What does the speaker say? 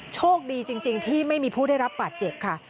โชคดีจริงที่ไม่มีผู้ได้รับบาดเจ็บค่ะ